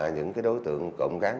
những đối tượng cộng gắn